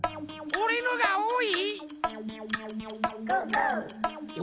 おれのがおおい？